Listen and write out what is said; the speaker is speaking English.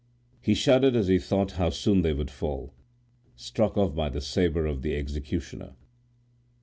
He shuddered as he thought how soon they would fall, struck off by the sabre of the executioner.